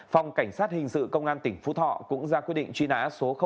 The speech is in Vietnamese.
phòng cảnh sát hình sự công an tỉnh phú thọ cũng ra quyết định chuyên án số ba